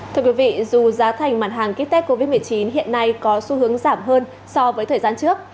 thưa quý vị dù giá thành mặt hàng kit test covid một mươi chín hiện nay có xu hướng giảm hơn so với thời gian trước